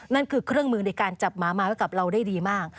นั่นคือเครื่องมือในการจับหมามาไว้กับเราได้ดีมาก